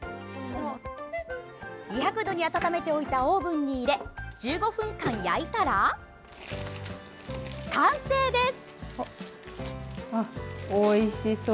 ２００度に温めておいたオーブンに入れ１５分間焼いたら完成です。